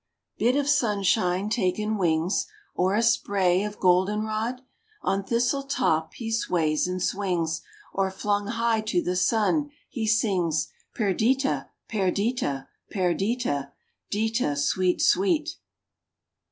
Bit of sunshine taken wings, Or a spray of golden rod? On thistle top he sways and swings, Or flung high to the sun, he sings— Perdita—Perdita—Perdita— 'Dita,—Sweet, Sweet—. II.